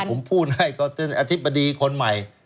ที่ผมพูดให้ก็อธิบดีคนใหม่